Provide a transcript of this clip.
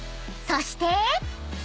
［そして］